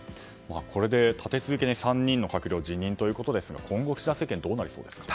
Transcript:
これで、立て続けに３人の閣僚が辞任ということですが今後、岸田政権どうなりそうですか。